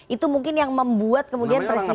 itu mungkin yang membuat kemudian presiden